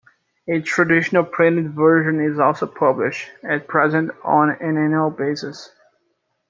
A traditional printed version is also published, at present on an annual basis.